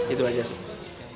itu aja sih